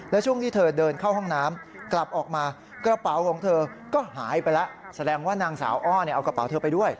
และช่วงที่เธอเดินเข้าห้องน้ำกลับออกมากระเป๋าของเธอก็หายไปแล้วแสดงว่านางสาวอ้อเอากระเป๋าเธอไปด้วย